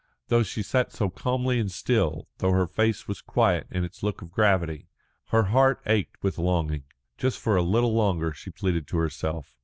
Though she sat so calmly and still, though her face was quiet in its look of gravity, her heart ached with longing. Just for a little longer, she pleaded to herself.